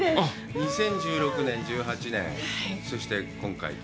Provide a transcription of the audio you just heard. ２０１６年、１８年、そして、今回と。